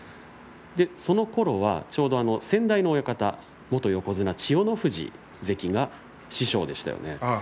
そのころはちょうど先代の親方元横綱千代の富士関が師匠でしたね。